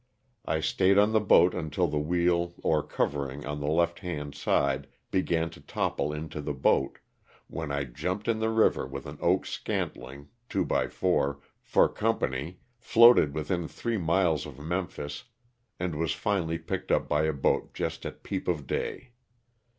I stayed on the boat until the wheel or covering on the left hand side began to topple into the boat, when I jumped in the river with an oak scantling (2x4) for company, floated within three miles of Memphis and was finally picked up by a boat just at peep of day.